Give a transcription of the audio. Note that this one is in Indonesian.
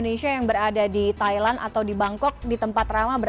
kehilangan interval kasusnya brook copaquai